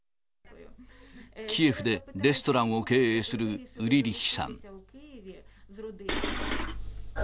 キエフでレストランを経営するウリリヒさん。